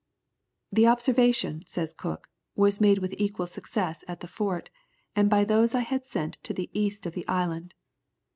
"The observation," says Cook, "was made with equal success at the fort, and by those I had sent to the east of the island.